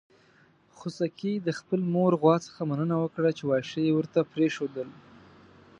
خوسکي د خپلې مور غوا څخه مننه وکړه چې واښه يې ورته پرېښودل.